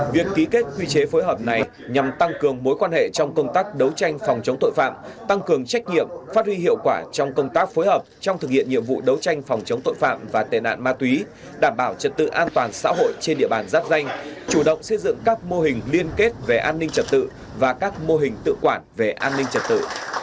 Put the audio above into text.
việc ký kết quy chế phối hợp này nhằm tăng cường mối quan hệ trong công tác đấu tranh phòng chống tội phạm tăng cường trách nhiệm phát huy hiệu quả trong công tác phối hợp trong thực hiện nhiệm vụ đấu tranh phòng chống tội phạm và tệ nạn ma túy đảm bảo trật tự an toàn xã hội trên địa bàn giáp danh chủ động xây dựng các mô hình liên kết về an ninh trật tự và các mô hình tự quản về an ninh trật tự